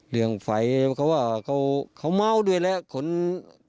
เรื่องไฝเขาว่าเขาเม้าด้วยแหละ